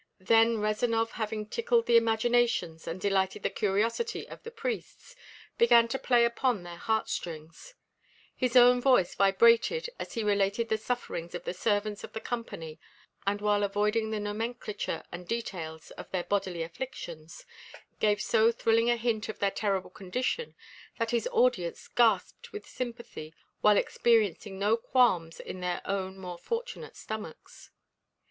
Then Rezanov having tickled the imaginations and delighted the curiosity of the priests, began to play upon their heartstrings. His own voice vibrated as he related the sufferings of the servants of the Company, and while avoiding the nomenclature and details of their bodily afflictions, gave so thrilling a hint of their terrible condition that his audience gasped with sympathy while experiencing no qualms in their own more fortunate stomachs.